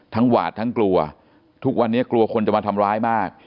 หวาดทั้งกลัวทุกวันนี้กลัวคนจะมาทำร้ายมาก